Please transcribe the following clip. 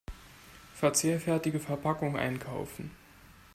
Verzehrfertige Verpackung einkaufen.